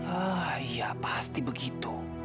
ah iya pasti begitu